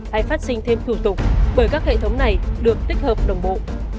hay phát sinh thêm thủ tục bởi các hệ thống này được tích hợp đồng bộ